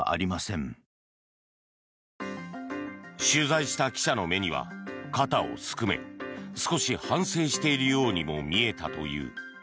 取材した記者の目には肩をすくめ少し反省しているようにも見えたという。